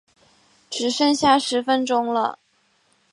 只剩下十分钟了